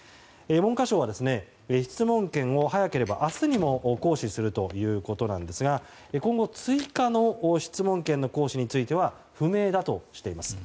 文科省は、質問権を早ければ明日にも行使するということなんですが今後追加の質問権の行使については不明だとしています。